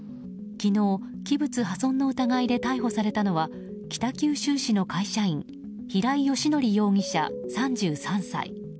昨日、器物破損の疑いで逮捕されたのは北九州市の会社員平井英康容疑者、３３歳。